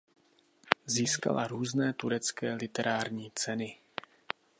Získala různé turecké literární ceny.